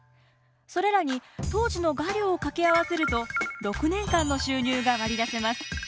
それらに当時の画料を掛け合わせると６年間の収入が割り出せます。